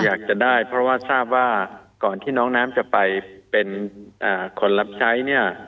อยากจะได้เพราะว่าทราบว่าก่อนที่น้องน้ำจะไปเป็นคนรับใช้เนี่ย